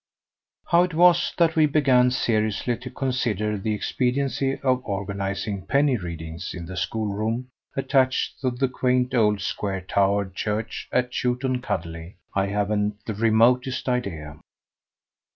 HOW it was that we began seriously to consider the expediency of organizing "Penny Readings" in the school room attached to the quaint old square towered church at Chewton Cudley I haven't the remotest idea.